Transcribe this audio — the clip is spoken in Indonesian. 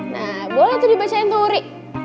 nah boleh tuh dibacain tuh wuri